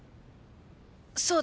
そうだ！